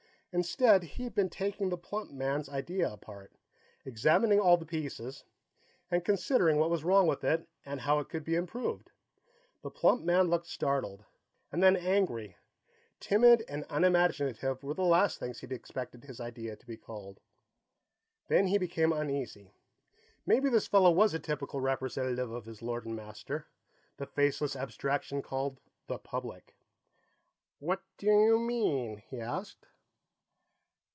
Instead, he had been taking the plump man's idea apart, examining all the pieces, and considering what was wrong with it and how it could be improved. The plump man looked startled, and then angry timid and unimaginative were the last things he'd expected his idea to be called. Then he became uneasy. Maybe this fellow was a typical representative of his lord and master, the faceless abstraction called the Public. "What do you mean?" he asked.